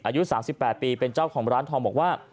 อายุ๓๘ปีเป็นเจ้าของร้านทองบอกว่า